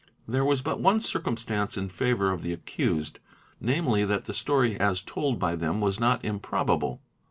|: There was but one cirumstance in favour of the accused, namely that the story as told by them was not improbable.